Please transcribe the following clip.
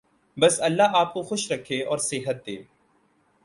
بس اللہ آپ کو خوش رکھے اور صحت دے۔